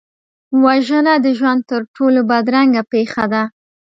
وژنه د ژوند تر ټولو بدرنګه پېښه ده